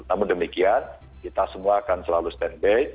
namun demikian kita semua akan selalu stand by